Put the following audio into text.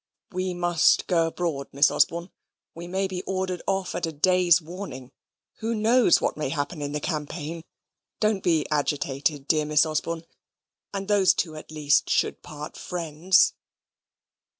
We must go abroad, Miss Osborne. We may be ordered off at a day's warning. Who knows what may happen in the campaign? Don't be agitated, dear Miss Osborne; and those two at least should part friends."